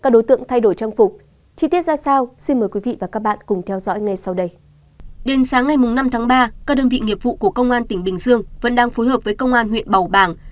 đến sáng ngày năm tháng ba các đơn vị nghiệp vụ của công an tỉnh bình dương vẫn đang phối hợp với công an huyện bảo bàng